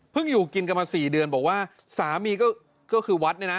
เพิ่งอยู่กินกันมา๔เดือนบอกว่าสามีก็คือวัดนะฮะ